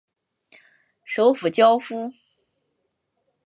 首府焦夫。